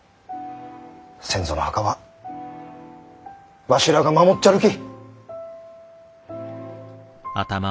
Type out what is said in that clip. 先祖の墓はわしらが守っちゃるき。